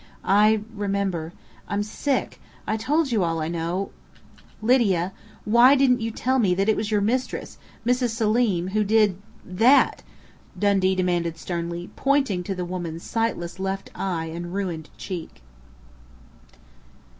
"I remember.... I'm sick.... I told you all I know " "Lydia, why didn't you tell me that it was your mistress, Mrs. Selim who did that?" Dundee demanded sternly, pointing to the woman's sightless left eye and ruined cheek.